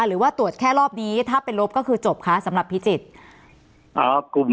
หรือว่าตรวจแค่รอบนี้ถ้าเป็นลบก็คือจบคะสำหรับพิจิตร